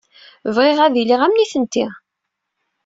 Bɣiɣ ad iliɣ am nitenti.